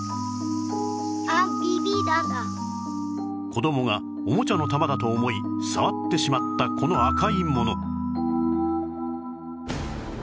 子どもがおもちゃの弾だと思い触ってしまったこの赤いもの